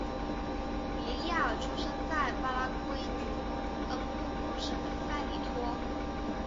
比利亚尔出生在巴拉圭涅恩布库省的塞里托。